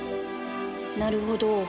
なるほど